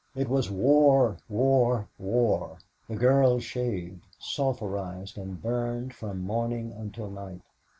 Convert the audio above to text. It was war, war, war. The girls shaved, sulphurized and burned from morning until night.